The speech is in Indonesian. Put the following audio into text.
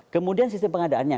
kemudian sisi pengadaannya